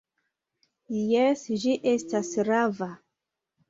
Jes, ĝi estas rava!